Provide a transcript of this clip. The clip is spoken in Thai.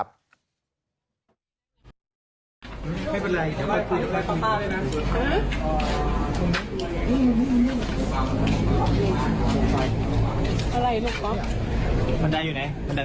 ไม่เป็นไรเดี๋ยวกดคุย